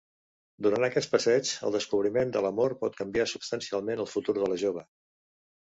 Durant aquest passeig, el descobriment de l'amor pot canviar substancialment el futur de la jove.